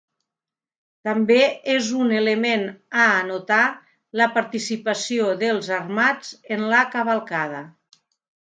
També és un element a anotar la participació dels Armats en la cavalcada.